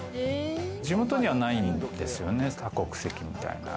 地元にはないんですよね、多国籍みたいな。